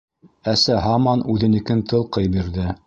Әсә һаман үҙенекен тылҡый бирҙе: